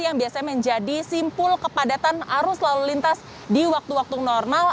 yang biasanya menjadi simpul kepadatan arus lalu lintas di waktu waktu normal